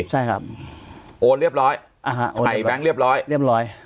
ใช่ครับโอนเรียบร้อยใส่แบงค์เรียบร้อยเรียบร้อย